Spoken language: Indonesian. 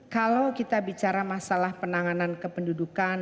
kalau kita bicara masalah penanganan kependudukan